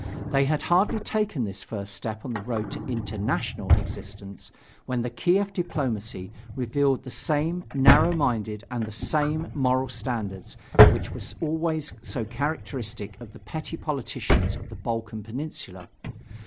They had hardly taken this first step on the road to "international" existence, when the Kiev diplomacy revealed the same narrow mindedness and the same moral standards which were always so characteristic of the petty politicians of the Balkan Peninsula.